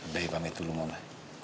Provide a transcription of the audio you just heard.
baik panggil dulu mama